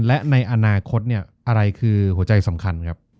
และในอนาคตเนี่ยอะไรคือหัวใจสำคัญครับ